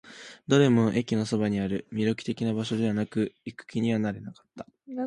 どれも駅のそばにある。魅力的な場所ではなく、行く気にはなれなかった。